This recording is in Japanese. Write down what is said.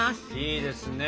いいですね。